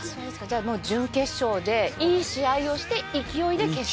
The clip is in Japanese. じゃあもう準決勝でいい試合をして勢いで決勝。